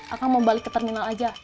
aku mau balik ke terminal aja